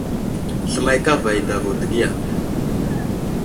Sləmay kava i adavo dəgiya.